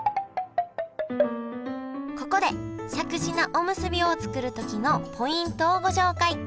ここでしゃくし菜おむすびを作る時のポイントをご紹介！